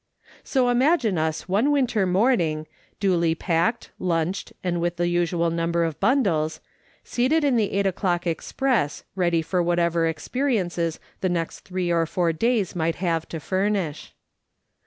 So imagine us one winter morning, duly packed, lunched, and with the usiial number of bundles, seated in the eight o'clock express, ready for what ever experiences the next three or four days might have to furnish.